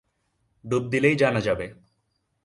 ডুব দিলেই জানা যাবে।